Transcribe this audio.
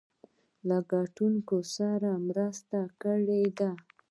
له کتونکو سره مرسته کړې ده.